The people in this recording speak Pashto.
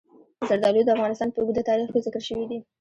زردالو د افغانستان په اوږده تاریخ کې ذکر شوي دي.